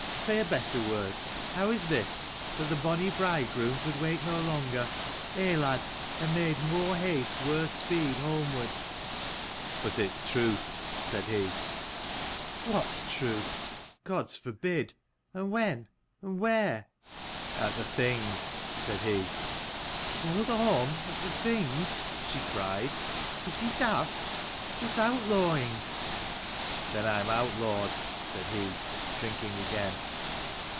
Say a better word. How is this? That the bonny bridegroom could wait no longer ; eh, lad? and made more haste worse speed homeward ?"" But it's truth," said he. "What's truth? Gods forbid. And when, and where?" " At the Thing," said he. " Killed Orm at the Thing? " she cried. " Is he daft ? It's outlawing !" "Then I am outlawed," said he, drinking again.